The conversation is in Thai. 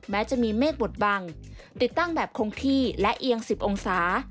แม้จะมีเมฆบทบังติดตั้งแบบคงที่และเอียง๑๐องศา